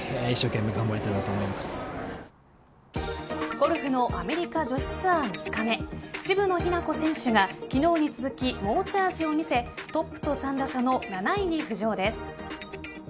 ゴルフのアメリカ女子ツアー３日目渋野日向子選手が昨日に続き猛チャージを見せトップと３打差の７位に浮上です。